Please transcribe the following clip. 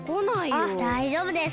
あっだいじょうぶです。